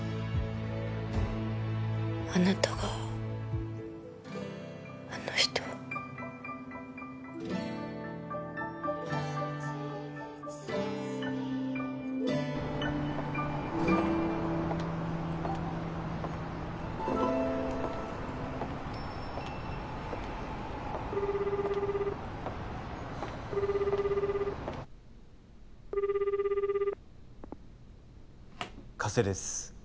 あなたがあの人を加瀬です